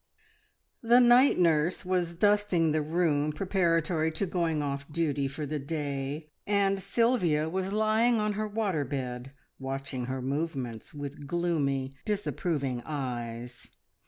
The night nurse was dusting the room preparatory to going off duty for the day, and Sylvia was lying on her water bed watching her movements with gloomy, disapproving eyes.